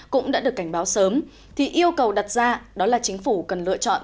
cũng đã được cảnh báo sớm thì yêu cầu đặt ra đó là chính phủ cần lựa chọn